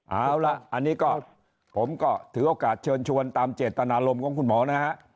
เอาละอันนี้ก็ผมก็ถือโอกาสเชิญชวนตามเจตนารมณ์ของคุณหมอนะฮะ